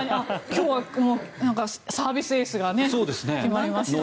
今日はサービスエースが決まりました。